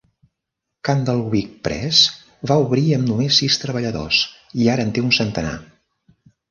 Candlewick Press va obrir amb només sis treballadors i ara en té un centenar.